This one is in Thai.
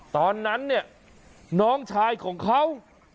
ตอนนั้นเนี่ยน้องชายของเขา